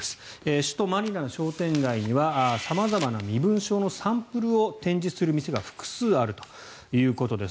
首都マニラの商店街には様々な、身分証のサンプルを展示する店が複数あるということです。